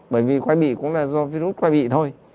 bởi vì khoai bị cũng là do virus quay bị thôi